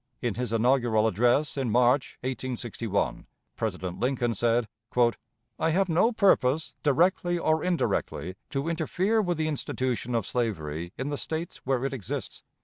In his inaugural address in March, 1861, President Lincoln said: "I have no purpose, directly or indirectly, to interfere with the institution of slavery in the States where it exists.